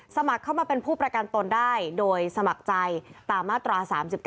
สมัครเข้ามาเป็นผู้ประกันตนได้โดยสมัครใจตามมาตรา๓๙